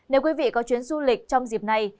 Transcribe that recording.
nếu quý vị có chuyến du lịch trong dịp này